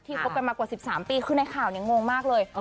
ที่พบกันมากกว่า๑๓ปีคือในข่าวแบบนี้เลยงงมากเลย